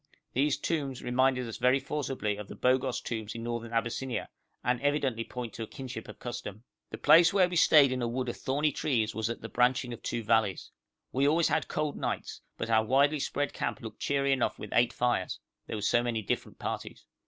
These tombs reminded us very forcibly of the Bogos tombs in Northern Abyssinia, and evidently point to a kinship of custom. The place where we stayed in a wood of thorny trees was at the branching of two valleys. We always had cold nights, but our widely spread camp looked cheery enough with eight fires; there were so many different parties.